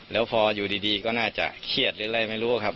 แล้วพออยู่ดีก็น่าจะเครียดหรืออะไรไม่รู้ครับ